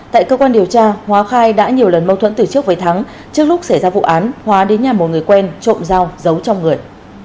tại cơ quan điều tra hóa khai đã nhiều lần mâu thuẫn từ trước với thắng trước lúc xảy ra vụ án hóa đến nhà một người quen trộm dao giấu trong người